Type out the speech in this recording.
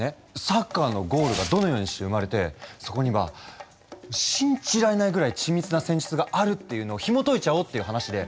サッカーのゴールがどのようにして生まれてそこには信じられないぐらい緻密な戦術があるっていうのをひもといちゃおうっていう話で。